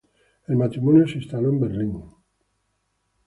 El matrimonio se instaló en Berlín.